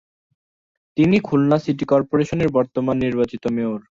তিনি খুলনা সিটি কর্পোরেশনের বর্তমান নির্বাচিত মেয়র।